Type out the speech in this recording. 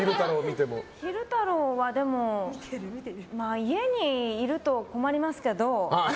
昼太郎はでも、家にいると困りますけど。